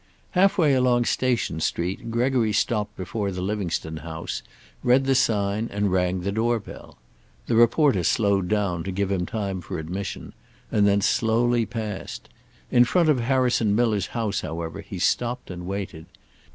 Half way along Station Street Gregory stopped before the Livingstone house, read the sign, and rang the doorbell. The reporter slowed down, to give him time for admission, and then slowly passed. In front of Harrison Miller's house, however, he stopped and waited.